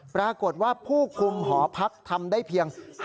ปรากฏว่าผู้คุมหอพักทำได้เพียง